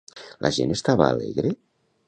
La gent estava alegre?